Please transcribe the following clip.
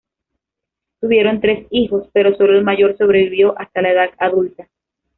Tuvieron tres hijos, pero sólo el mayor sobrevivió hasta la edad adulta.